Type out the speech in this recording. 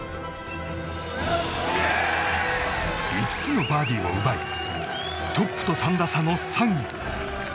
５つのバーディーを奪いトップと３打差の３位。